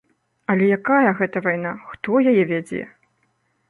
Але якая гэта вайна, хто яе вядзе?